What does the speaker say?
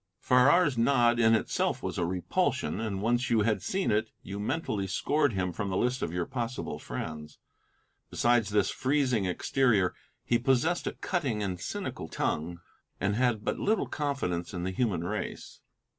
Farrar's nod in itself was a repulsion, and once you had seen it you mentally scored him from the list of your possible friends. Besides this freezing exterior he possessed a cutting and cynical tongue, and had but little confidence in the human race.